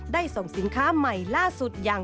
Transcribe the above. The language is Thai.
ส่งสินค้าใหม่ล่าสุดอย่าง